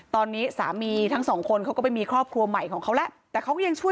ตอนนี้สามีทั้งสองคนเขาก็ไปมีครอบครัวใหม่ของเขาแล้ว